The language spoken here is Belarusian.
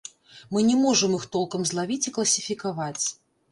Мы не можам іх толкам злавіць і класіфікаваць.